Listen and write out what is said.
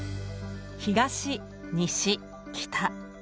東西北。